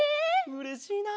うれしいな！